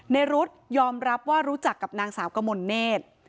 รุ๊ดยอมรับว่ารู้จักกับนางสาวกมลเนธ